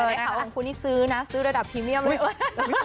ในข่าวของคุณนี่ซื้อนะซื้อระดับพรีเมียมเลย